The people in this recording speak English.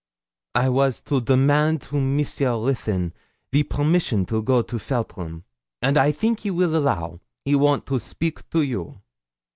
'I was to demand to Mr. Ruthyn the permission to go to Feltram, and I think he will allow. He want to speak to you.'